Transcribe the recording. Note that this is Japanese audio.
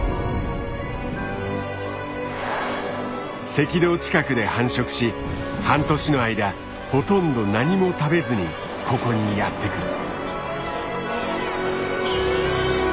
赤道近くで繁殖し半年の間ほとんど何も食べずにここにやって来る。